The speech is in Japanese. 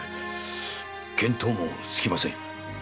見当もつきません。